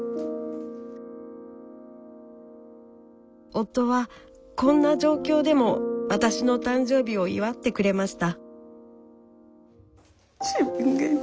夫はこんな状況でも私の誕生日を祝ってくれました。